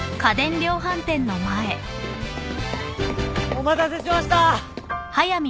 お待たせしました！